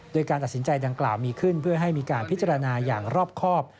โดยการตัดสินใจดังกล่าวมีขึ้นเพื่อให้มีการพิจารณาอย่างรอบครอบ